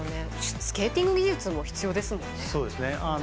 スケーティング技術も必要ですもんね。